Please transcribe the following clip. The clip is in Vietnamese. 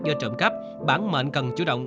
do trộm cấp bản mệnh cần chủ động